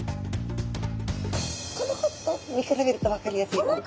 この子と見比べると分かりやすいかも。